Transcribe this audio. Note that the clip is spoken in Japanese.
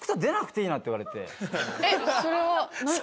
それは。